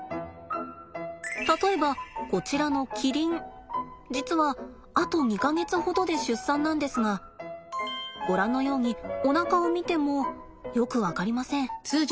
例えばこちらのキリン実はあと２か月ほどで出産なんですがご覧のようにおなかを見てもよく分かりません。